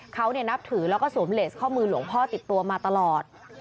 เขานับถือแล้วก็สวมเลสข้อมือหลวงพ่อติดตัวมาตลอด